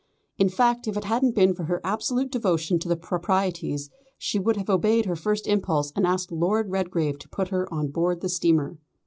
In fact, if it hadn't been for her absolute devotion to the proprieties she would have obeyed her first impulse and asked Lord Redgrave to put her on board the steamer.